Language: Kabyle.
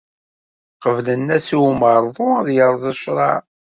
Qeblen-as i umerdu ad yerẓ ccṛeɛ.